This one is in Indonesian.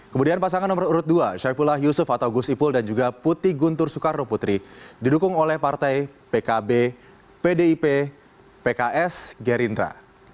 kemudian pasangan nomor urut dua syaifullah yusuf atau gus ipul dan juga putih guntur soekarno putri didukung oleh partai pkb pdip pks gerindra